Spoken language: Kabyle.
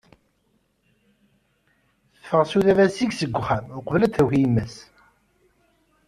Teffeɣ Sudaba zik seg uxxam, uqbel ad d-taki yemma-s.